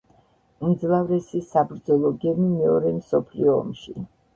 უმძლავრესი საბრძოლო გემი მეორე მსოფლიო ომში.